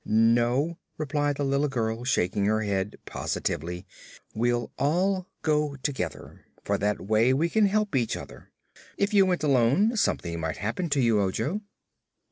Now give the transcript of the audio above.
"No," replied the little girl, shaking her head positively, "we'll all go together, for that way we can help each other. If you went alone, something might happen to you, Ojo."